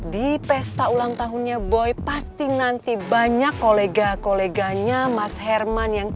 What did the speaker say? di pesta ulang tahunnya boy pasti nanti banyak kolega koleganya mas herman yang